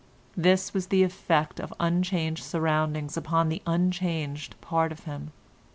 This was the effect of unchanged surroundings upon the unchanged part of him.